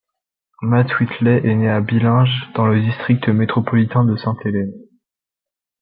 Matt Whitley est né à Billinge dans le district métropolitain de Saint Helens.